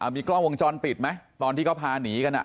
มีกล้องวงจรปิดไหมตอนที่เขาพาหนีกัน